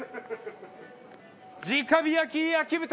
直火焼焼豚！